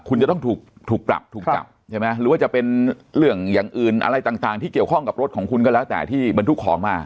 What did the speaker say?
คุณจะต้องถูกปรับถูกจับใช่ไหมหรือว่าจะเป็นเรื่องอย่างอื่นอะไรต่างที่เกี่ยวข้องกับรถของคุณก็แล้วแต่ที่บรรทุกของมา